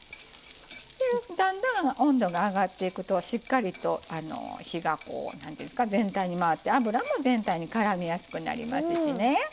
だんだん温度が上がっていくとしっかりと火が全体に回って油も全体にからみやすくなりますしね。